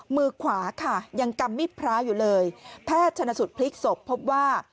มือขวาค่ะยังกำมิดพระอยู่เลยแพทย์ชนสุดพลิกศพพบว่า